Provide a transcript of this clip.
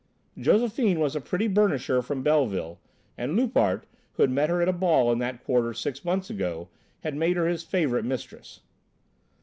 Josephine was a pretty burnisher from Belleville, and Loupart, who had met her at a ball in that quarter six months ago had made her his favourite mistress.